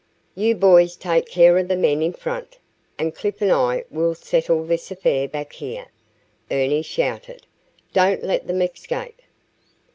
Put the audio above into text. "You boys take care of the men in front, and Clif and I will settle this affair back here," Ernie shouted. "Don't let them escape."